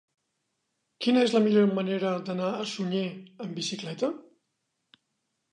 Quina és la millor manera d'anar a Sunyer amb bicicleta?